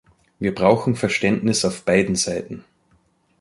Wir brauchen Verständnis auf beiden Seiten.